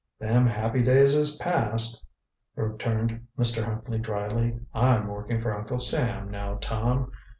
"Them happy days is past," returned Mr. Huntley dryly. "I'm working for Uncle Sam, now, Tom.